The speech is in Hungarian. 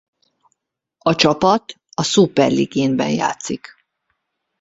A csapat a Superligaen-ben játszik.